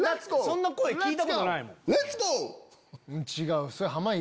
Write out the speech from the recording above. そんな声聞いたことないもん。